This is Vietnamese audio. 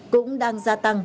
cũng đang gia tăng